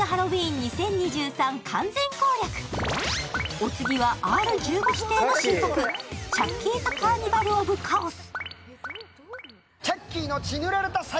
お次はＲ−１５指定の新作、チャッキーズ・カーニバル・オブ・カオス。